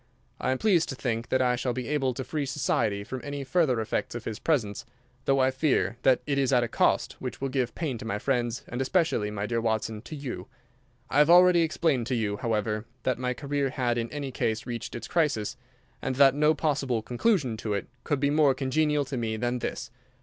I am pleased to think that I shall be able to free society from any further effects of his presence, though I fear that it is at a cost which will give pain to my friends, and especially, my dear Watson, to you. I have already explained to you, however, that my career had in any case reached its crisis, and that no possible conclusion to it could be more congenial to me than this.